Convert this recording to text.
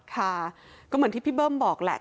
ค่ะก็เหมือนที่พี่เบิ้มบอกแหละ